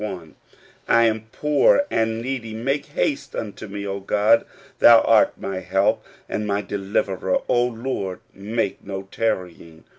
I am poor and needy: :inake haste unto me, O God ; thou art my help and any deliverer ; O Lord, make no tarrying."